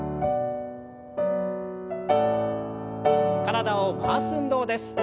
体を回す運動です。